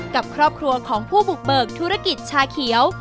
กับครอบครัวของผู้บุกเบิกธุรกิจชาเขียว